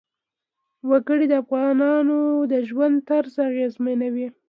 وګړي د افغانانو د ژوند طرز اغېزمنوي.